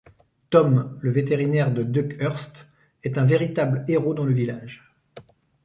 Tom, le vétérinaire de Duckhurst est un véritable héros dans le village.